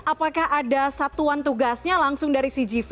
apakah ada satuan tugasnya langsung dari cgv